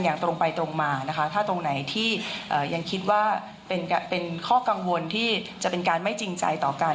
อย่างคิดว่าเป็นข้อกังวลที่จะเป็นการไม่จริงใจต่อกัน